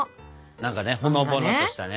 何かねほのぼのとしたね。